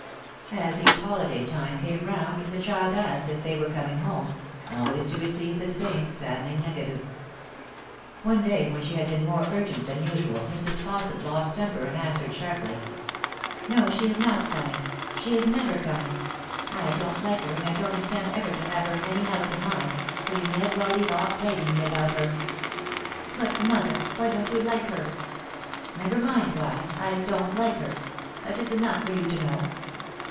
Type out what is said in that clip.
As each holiday time came round the child asked if Fay were coming home, always to receive the same saddening negative. One day, when she had been more urgent than usual, Mrs. Fausset lost temper and answered sharply, " No, she is not coming. She is never coming. I don't like her, and I don't intend ever to have her in any house of mine, so you may as well leave off plaguing me about her." " But, mother, why don't you like her ?"" Never mind why. I don't like her. That is enough for you to know."